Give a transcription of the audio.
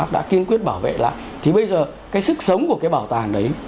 đã kiên quyết bảo vệ lại thì bây giờ cái sức sống của cái bảo tàng đấy